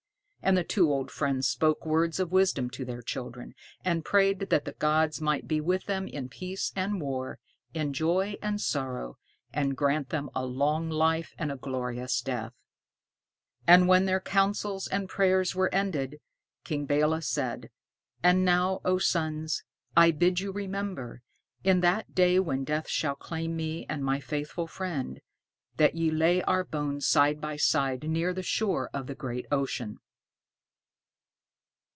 And the two old friends spoke words of wisdom to their children, and prayed that the gods might be with them in peace and war, in joy and sorrow, and grant them a long life and a glorious death. And when their counsels and prayers were ended, King Belé said, "And now, O sons, I bid you remember, in that day when death shall claim me and my faithful friend, that ye lay our bones side by side near the shore of the great ocean."